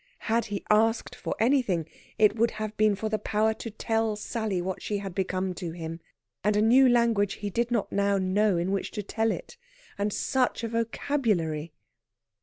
Had he asked for anything, it would have been for the power to tell Sally what she had become to him, and a new language he did not now know in which to tell it. And such a vocabulary!